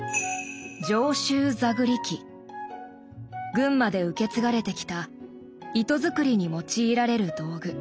群馬で受け継がれてきた糸作りに用いられる道具。